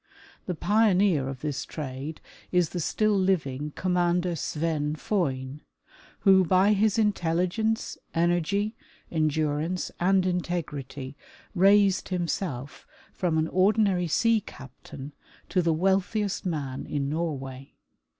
The pioneer of this trade is the still living Commander Sven Foyn, who, by his intelligence, energy, endurance and integrit.y, raised himself from an ordinary sea captain to the wealthiest man in Norway.